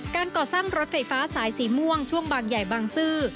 การก่อสร้างรถไฟฟ้าสายสีม่วงช่วงบางใหญ่บางซื่อ